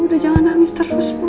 ibu udah jangan nangis terus ibu